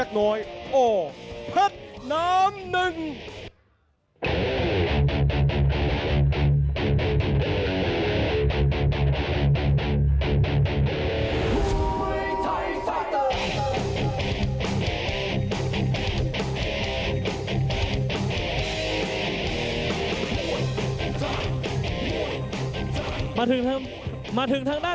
ที่โดยเพิ่มภูมิจังง้ะ